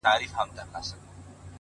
زه د شرابيانو قلندر تر ملا تړلى يم ـ